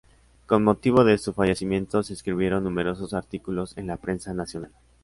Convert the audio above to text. Con motivo de su fallecimiento, se escribieron numerosos artículos en la prensa nacional.